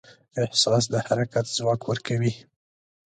احساس د حرکت ځواک ورکوي.